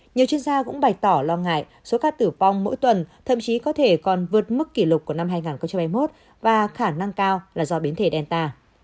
nhiều chuyên gia cũng bày tỏ lo ngại số ca tử vong mỗi tuần thậm chí có thể còn vượt mức kỷ lục của năm hai nghìn hai mươi một và khả năng cao là do biến thể delta